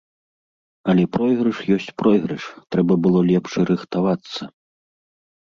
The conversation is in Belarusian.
Але пройгрыш ёсць пройгрыш, трэба было лепш рыхтавацца.